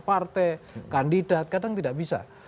partai kandidat kadang tidak bisa